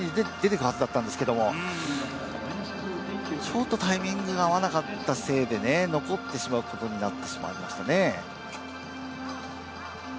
腰がもう少し前に出ていくはずだったんですけどもちょっとタイミングが合わなかったせいで残ってしまうことになってしまいましたね。